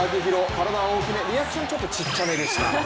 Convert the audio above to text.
体は大きめ、リアクションはちょっと小さめでした。